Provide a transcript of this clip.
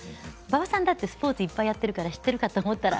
馬場さんだってスポーツいっぱいやってるから知っているかと思ったら。